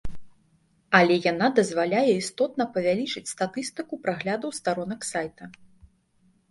Але яна дазваляе істотна павялічыць статыстыку праглядаў старонак сайта.